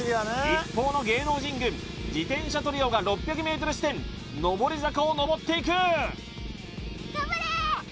一方の芸能人軍自転車トリオが６００ｍ地点上り坂を上っていく頑張れー！